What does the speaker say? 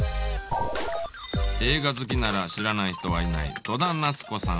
映画好きなら知らない人はいない戸田奈津子さん。